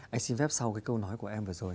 anh xin phép sau cái câu nói của em vừa rồi